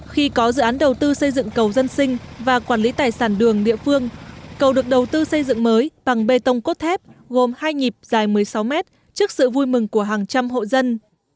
khi có dự án đầu tư xây dựng cầu dân sinh và quản lý tài sản đường địa phương cầu được đầu tư xây dựng mới bằng bê tông cốt thép gồm hai nhịp dài một mươi sáu mét trước sự vui mừng của hàng trăm hộ dân